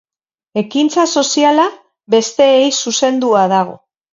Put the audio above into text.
Ekintza soziala besteei zuzendua dago.